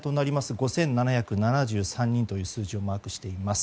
５７７３人という数字をマークしています。